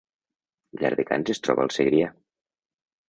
Llardecans es troba al Segrià